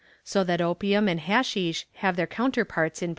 So that opium and hatchich have their counterparts in Peru.